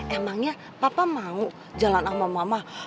emangnya papa mau jalan sama mama